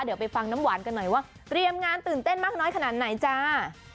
เดี๋ยวไปฟังน้ำหวานกันหน่อยว่าเตรียมงานตื่นเต้นมากน้อยขนาดไหนจ้า